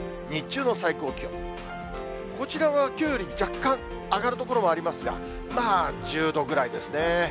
日中の最高気温、こちらはきょうより、若干上がる所もありますが、１０度ぐらいですね。